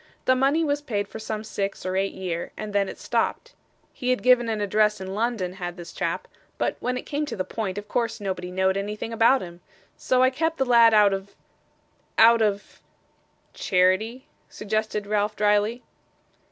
'The money was paid for some six or eight year, and then it stopped. He had given an address in London, had this chap; but when it came to the point, of course nobody knowed anything about him. So I kept the lad out of out of ' 'Charity?' suggested Ralph drily.